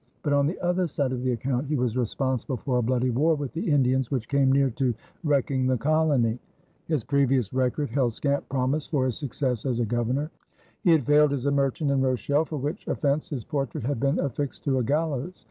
But on the other side of the account he was responsible for a bloody war with the Indians which came near to wrecking the colony. His previous record held scant promise for his success as a governor. He had failed as a merchant in Rochelle, for which offense his portrait had been affixed to a gallows.